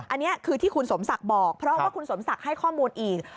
อันนี้คือที่คุณสมศักดิ์บอกเพราะว่าคุณสมศักดิ์ให้ข้อมูลอีก